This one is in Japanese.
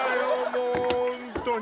もう本当に。